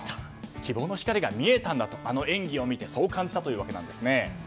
希望の光が見えたんだとあの演技でそう感じたというわけなんです。